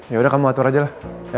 yaudah kamu atur aja lah